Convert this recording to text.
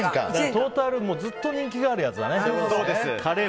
トータル、もうずっと人気があるやつだね。